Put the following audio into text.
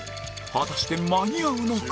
果たして間に合うのか？